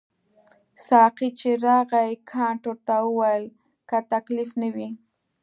ساقي چې راغی کانت ورته وویل که تکلیف نه وي.